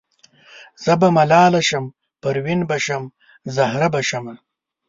زه به ملاله شم پروین به شم زهره به شمه